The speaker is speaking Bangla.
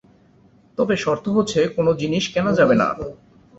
তবে শর্ত হচ্ছে কোন জিনিস কেনা যাবে না।